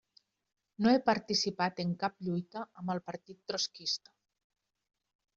No he participat en cap lluita amb el partit trotskista.